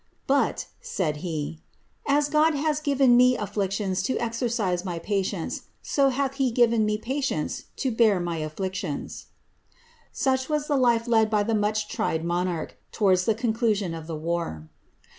^But,' said he, *as IS given me afflictifms to exercise my patience, so hath he given ience to bear my afflictions."" Such was the life led by the mudi lonarcb, towards the conclusion of the war.